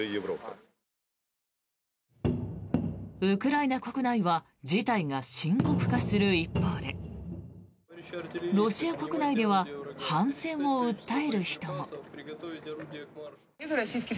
ウクライナ国内は事態が深刻化する一方でロシア国内では反戦を訴える人も。